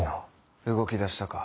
動き出したか。